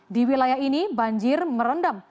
di wilayah ini banjir merendam